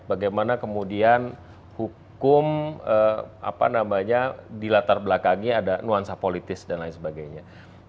bagaimana kemudian hukum apa namanya di latar belakangnya ada nuansa politis dan lain sebagainya